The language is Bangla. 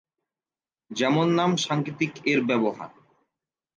যেমন নাম সাংকেতিক এর ব্যবহার।